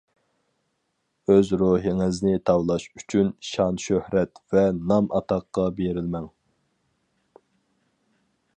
ئۆز روھىڭىزنى تاۋلاش ئۈچۈن شان-شۆھرەت ۋە نام-ئاتاققا بېرىلمەڭ.